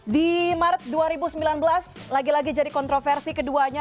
di maret dua ribu sembilan belas lagi lagi jadi kontroversi keduanya